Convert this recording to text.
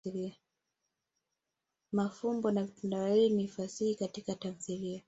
mafumbo na vitendawili ni fasihi Katika tamthilia.